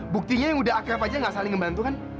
buktinya yang udah akrab aja gak saling ngebantu kan